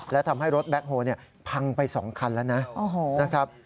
และทำให้รถแบ็คโฮลพังไป๒คันแล้วนะครับ